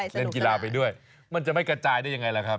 เล่นกีฬาไปด้วยมันจะไม่กระจายได้ยังไงล่ะครับ